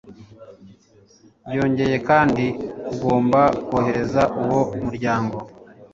byongeye kandi ugomba kohereza uwo muryango